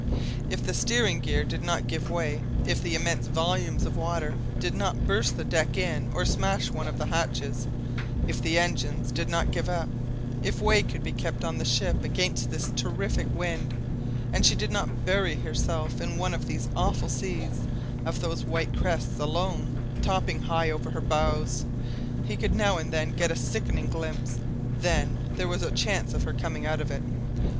If the steering gear did not give way, if the immense volumes of water did not burst the deck in or smash one of the hatches, if the engines did not give up, if way could be kept on the ship against this terrific wind, and she did not bury herself in one of these awful seas, of whose white crests alone, topping high above her bows, he could now and then get a sickening glimpse then there was a chance of her coming out of it.